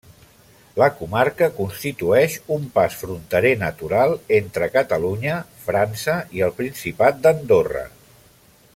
La comarca constitueix un pas fronterer natural entre Catalunya, França i el Principat d'Andorra.